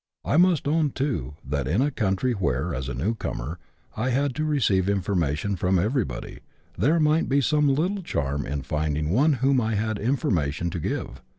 I must own, too, that in a country where, as a new comer, I had to receive information from everybody, there might be some little charm in finding one to whom I had information to give.